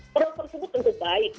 produk tersebut tentu baik